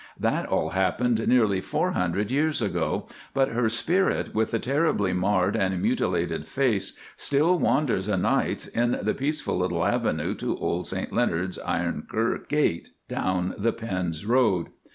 That all happened nearly 400 years ago; but her spirit with the terribly marred and mutilated face still wanders o' nights in the peaceful little avenue to old St Leonards iron kirk gate down the Pends Road.